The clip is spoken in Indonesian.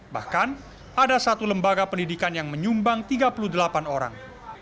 bahkan ada satu lembaga pendidikan yang menyumbang tiga puluh delapan orang